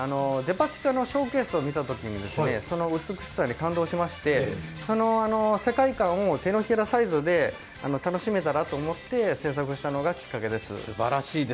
デパ地下のショーケースを見たときに美しさに感動しまして、その世界観を手のひらサイズで楽しめたらと思って制作したのがきっかけです。